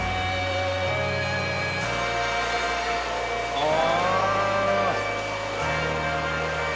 ああ！